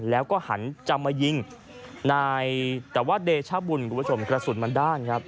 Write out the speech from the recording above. แล้วก็หันจะมายิงนายแต่ว่าเดชบุญคุณผู้ชมกระสุนมันด้านครับ